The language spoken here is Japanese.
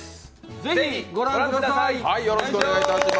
ぜひ御覧ください。